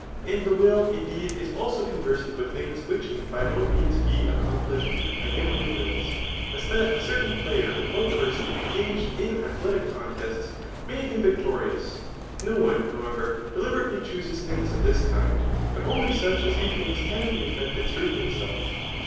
And the will, indeed, is also conversant with things which can hy no means, be ac complished by him. who wills ; as that a certam pl;|];ei;i pr person engaged in athletic contests, may be victx>riiHi8^ No one, however, deliberately choosea thinp of tjois ki^^i hut such only as he thinks can be e&ct^ through Ifigfgf self.